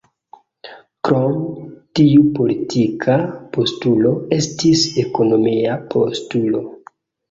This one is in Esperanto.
Krom tiu politika postulo, estis ekonomia postulo.